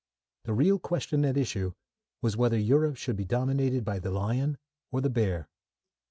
The real question at issue was whether Europe should be dominated by the lion or the bear.